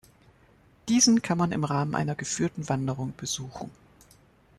Diesen kann man im Rahmen einer geführten Wanderung besuchen.